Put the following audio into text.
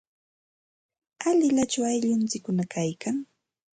¿Alilachu aylluykikuna kaykan?